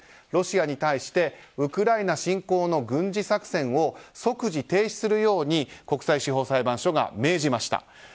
ロシアに対してウクライナ侵攻の軍事作戦を即時停止するように国際司法裁判所が命じました。